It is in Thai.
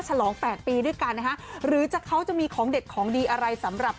ใช่ครับก็ถ้ารู้ทำตัวหน้าเบื่อก็เลิกทำจ้ะ